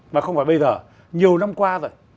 mà không phải bây giờ nhiều năm qua rồi